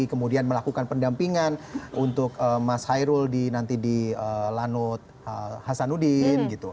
kemudian melakukan pendampingan untuk mas hairul nanti di lanut hasanuddin